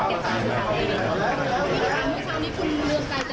เพื่อไปเมื่อผู้การเต็มโปรยูอะค่ะ